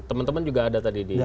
teman teman juga ada tadi di